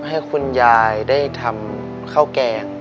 ให้คุณยายได้ทำข้าวแกง